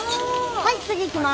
はい次行きます。